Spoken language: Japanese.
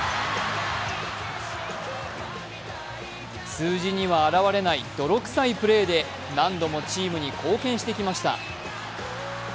数字には表れない泥臭いプレーで何度もチームに貢献してきました。